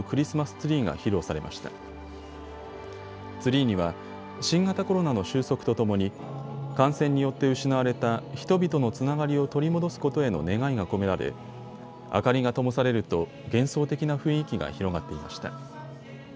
ツリーには新型コロナの収束とともに感染によって失われた人々のつながりを取り戻すことへの願いが込められ明かりがともされると幻想的な雰囲気が広がっていました。